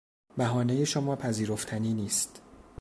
بهانهی شما پذیرفتنی نیست.